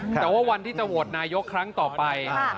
แต่ว่าวันที่จะโหวตนายกครั้งต่อไป